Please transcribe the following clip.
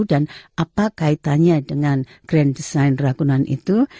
dan apa kaitannya dengan grand design ragunan itu